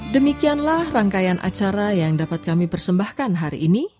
demikianlah rangkaian acara yang dapat kami persembahkan hari ini